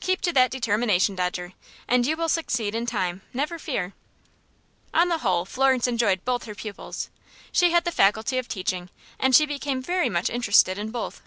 "Keep to that determination, Dodger, and you will succeed in time, never fear." On the whole, Florence enjoyed both her pupils. She had the faculty of teaching, and she became very much interested in both.